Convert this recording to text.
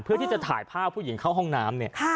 เพื่อที่จะถ่ายภาพผู้หญิงเข้าห้องน้ำเนี่ย